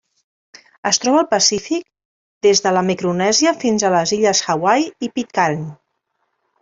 Es troba al Pacífic: des de la Micronèsia fins a les illes Hawaii i Pitcairn.